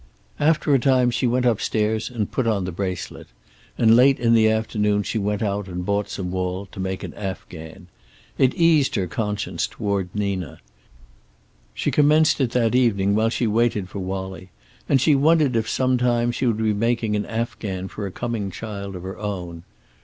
After a time she went upstairs and put on the bracelet. And late in the afternoon she went out and bought some wool, to make an afghan. It eased her conscience toward Nina. She commenced it that evening while she waited for Wallie, and she wondered if some time she would be making an afghan for a coming child of her own.